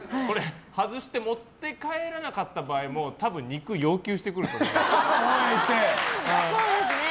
外して持って帰らなかった場合多分、肉要求してくると思いますよ。